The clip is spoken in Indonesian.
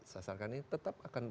sasarkan ini tetap akan